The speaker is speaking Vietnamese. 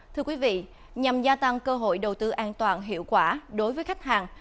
thưa quý vị nhằm gia tăng cơ hội đầu tư an toàn hiệu quả đối với khách hàng